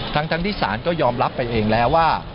ทั้งที่ศาลก็ยอมรับไปเองแล้วว่า